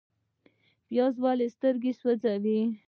پیاز ولې سترګې سوځوي؟